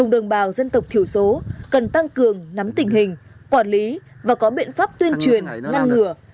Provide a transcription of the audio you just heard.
đồng bào dân tộc thiểu số cần tăng cường nắm tình hình quản lý và có biện pháp tuyên truyền ngăn ngừa